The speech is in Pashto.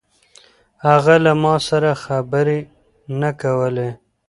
هغه له ما سره خبرې نه کولې.